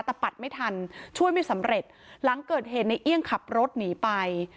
แต่ปัดไม่ทันช่วยไม่สำเร็จหลังเกิดเหตุในเอี่ยงขับรถหนีไป